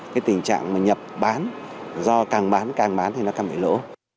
cái tình trạng mà nhập bán do càng bán càng bán thì nó càng bị lỗ